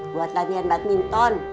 buat latihan badminton